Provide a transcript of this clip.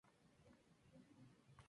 La guerra en Cataluña ha terminado"".